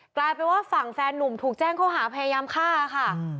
กลายเป็นว่าฝั่งแฟนนุ่มถูกแจ้งข้อหาพยายามฆ่าค่ะ